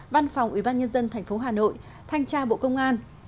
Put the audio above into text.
văn phòng ủy ban nhân dân thành phố hà nội thanh tra bộ công an